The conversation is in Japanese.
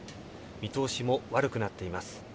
見通しも悪くなっています。